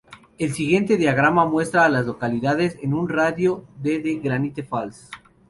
El siguiente diagrama muestra a las localidades en un radio de de Granite Falls.